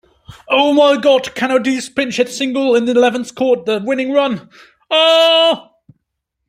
Ken O'Dea's pinch-hit single in the eleventh scored the winning run.